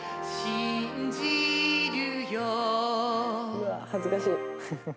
「うわ恥ずかしい」